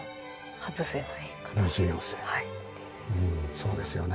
そうですよね。